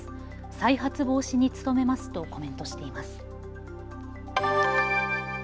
再発防止に努めますとコメントしています。